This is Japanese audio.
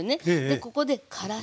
ここでからし。